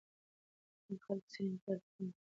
ډېر خلک د څېړنې پایلې په پام کې نیسي.